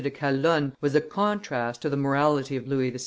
de Calonne was a contrast to the morality of Louis XVI.